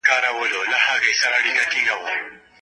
مېوه او سبزیجات باید مخکې له خوړلو ښه ووینځل شي.